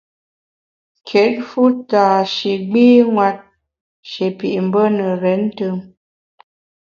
Kit fu tâ shi gbînwet, shi pit mbe ne renntùm.